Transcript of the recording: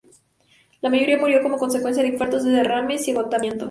La mayoría murió como consecuencia de infartos, derrames y agotamiento.